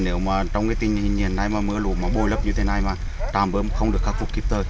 nếu trong tình hình hiện nay mưa lũ bôi lấp như thế này mà trạm bơm không được khắc phục kịp thời